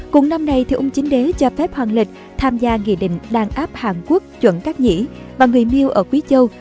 cùng năm này thì ung chính đế cho phép hoàng lịch tham gia nghị định đàn áp hàn quốc chuẩn các nhĩ và người miêu ở quý châu